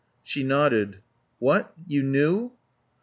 She nodded. "What? You knew?"